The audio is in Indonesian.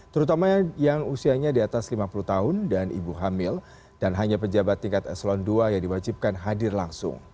terutama yang usianya di atas lima puluh tahun dan ibu hamil dan hanya pejabat tingkat eselon ii yang diwajibkan hadir langsung